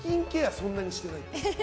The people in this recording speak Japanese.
そんなにしてないっぽい。